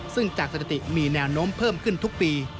ซึ่งจากสถิติมีแนวโน้มเพิ่มขึ้นทุกปี